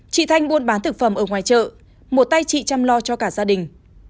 chị thanh buôn bán thực phẩm ở ngoài chợ một tay chị chăm lo cho cả gia đình